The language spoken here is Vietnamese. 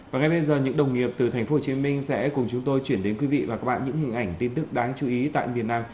và ngay bây giờ những đồng nghiệp từ tp hcm sẽ cùng chúng tôi chuyển đến quý vị và các bạn những hình ảnh tin tức đáng chú ý tại miền nam